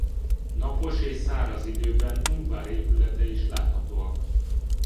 Napos és száraz időben Ungvár épületei is láthatóak.